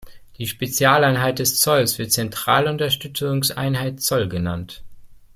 Die Spezialeinheit des Zolls wird Zentrale Unterstützungseinheit Zoll genannt.